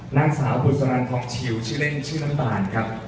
นางสาวบุษรันทองชิวชื่อเล่นชื่อน้ำตาลครับ